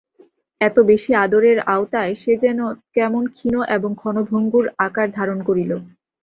এত বেশি আদরের আওতায় সে যেন কেমন ক্ষীণ এবং ক্ষণভঙ্গুর আকার ধারণ করিল।